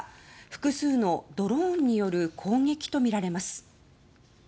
複数のドローンによる攻撃とみられます。